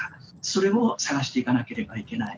それを探していかなければいけない。